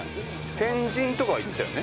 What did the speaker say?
天神とかは行ったよね？